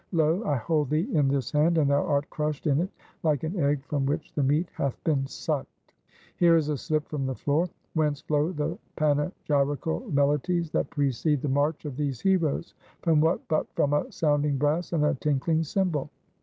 Lo! I hold thee in this hand, and thou art crushed in it like an egg from which the meat hath been sucked." Here is a slip from the floor. "Whence flow the panegyrical melodies that precede the march of these heroes? From what but from a sounding brass and a tinkling cymbal!"